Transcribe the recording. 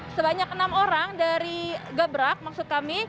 sebanyak enam orang dari gebrak maksud kami